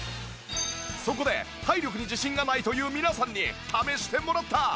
そこで体力に自信がないという皆さんに試してもらった！